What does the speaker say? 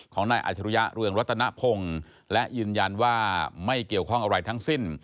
นายอาจรุยะเรืองรัตนพงศ์และยืนยันว่าไม่เกี่ยวข้องอะไรทั้งสิ้น